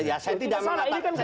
ya saya tidak mengatakan